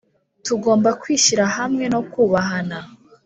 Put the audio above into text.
Tugomba kwishyira hamwe no kubahana